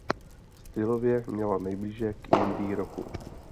Stylově měla nejblíže k indie rocku.